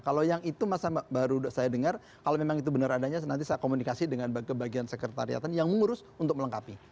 kalau yang itu masa baru saya dengar kalau memang itu benar adanya nanti saya komunikasi dengan bagian sekretariatan yang mengurus untuk melengkapi